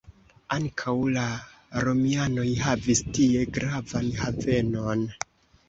Ankaŭ la romianoj havis tie gravan havenon.